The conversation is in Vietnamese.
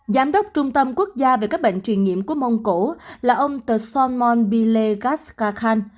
giám đốc trung tâm quốc gia về các bệnh truyền nhiễm của mông cổ là ông tsonmon bile gaskakhan